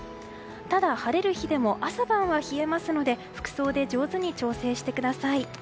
ただ、晴れる日でも朝晩は冷えますので服装で上手に調整してください。